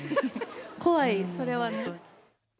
怖い、それはね。